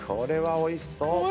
おいしそう！